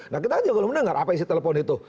nah kita aja belum mendengar apa isi telepon itu